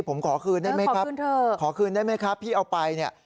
ผมขอคืนได้ไหมครับขอคืนได้ไหมครับพี่เอาไปเนี่ย